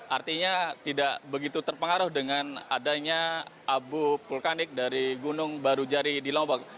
artinya tidak begitu terpengaruh dengan adanya abu vulkanik dari gunung barujari di lombok